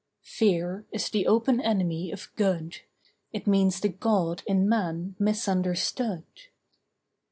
Fear is the open enemy of Good. It means the God in man misunderstood.